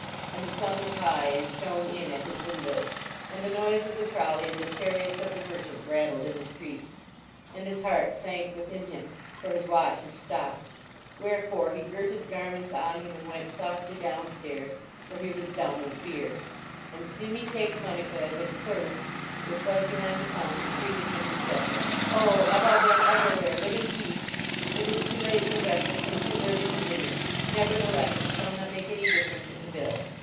And the sun was high and shone in at his windows ; and the noise of the trolley and the chariots of the merchant rattled in the street. And his heart sank within him, for his watch had stopped. Wherefore he girt his garments on him and went softly down stairs, for he was dumb with fear. 232 THK I.F.CJKNI) OF THE (,()()!) DKfMMfH And Seme Talk Munnica the Clark, which was behind the counter, greeted him, and said: " O Abou Ben Kvrawhair, live in peace! It is too late for breakfast and too early for dinner. Nevertheless, it shall not make any difference in the bill."